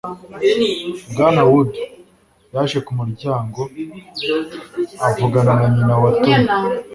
bwana wood yaje ku muryango avugana na nyina wa tony